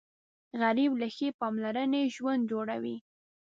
غریب له ښې پاملرنې ژوند جوړوي